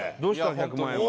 １００万円は。